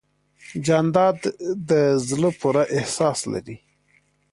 جانداد د زړه پوره احساس لري.